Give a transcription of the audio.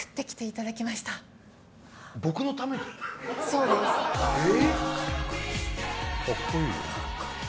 そうですええ！？